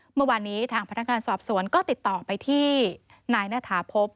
เมื่อวานนี้ทางพนักงานสอบสวนก็ติดต่อไปที่นายณฐาพบ